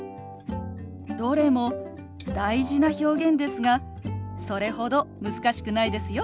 どれも大事な表現ですがそれほど難しくないですよ。